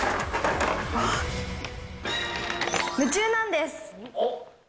夢中なんです！